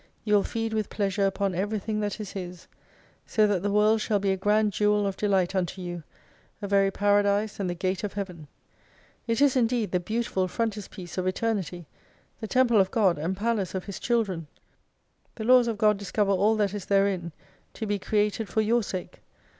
You will feed with pleasure upon everything that is His. So that the world shall be a grand Jewel of Delight unto you : a very Paradise and the Gate of Heaven. It is indeed the beautiful frontispiece of Eternity ; the Temple of God, and Palace of His chil dren. The Laws of God discover all that is therein to be created for your sake.